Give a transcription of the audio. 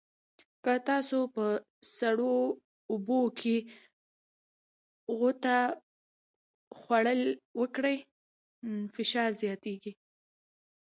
که تاسو په سړو اوبو کې غوطه خوړل وکړئ، فشار زیاتېږي.